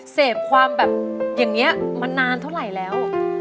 เสพความแบบอย่างนี้มานานเท่าไหร่แล้ว